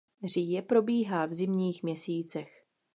Říje probíhá v zimních měsících.